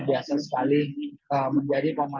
dan mereka yang berangkat ke sana dari indonesia